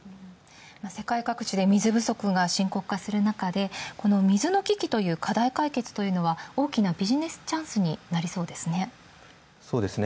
世界各地で水不足が深刻化する中で、水の危機は大きなビジネスチャンスになりそうですね。